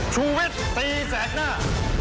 ชูวิทย์ตีแสกหน้า